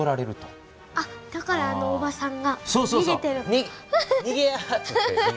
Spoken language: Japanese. だからあのおばさんがにげてる。